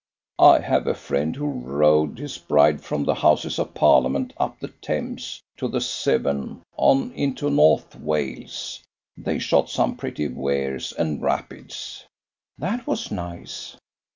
"I have a friend who rowed his bride from the Houses of Parliament up the Thames to the Severn on into North Wales. They shot some pretty weirs and rapids." "That was nice."